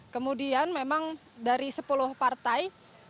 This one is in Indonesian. kemudian memang dari sepuluh partai